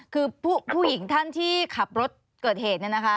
คือผู้หญิงท่านที่ขับรถเกิดเหตุเนี่ยนะคะ